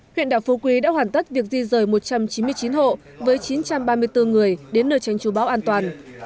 huyện đảo phú quý đã hoàn tất việc di rời một trăm chín mươi chín hộ với chín trăm ba mươi bốn người đến nơi tranh chú bão an toàn